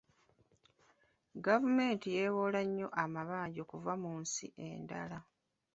Gavumenti yeewola nnyo amabanja okuva mu nsi endala.